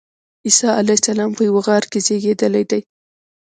عیسی علیه السلام په یوه غار کې زېږېدلی دی.